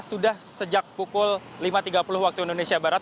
sudah sejak pukul lima tiga puluh waktu indonesia barat